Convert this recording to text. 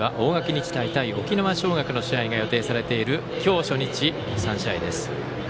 日大対沖縄尚学の試合が予定されている今日初日３試合です。